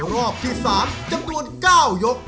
รอบที่๓จำนวน๙ยก